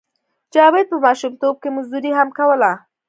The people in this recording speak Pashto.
جاوید په ماشومتوب کې مزدوري هم کوله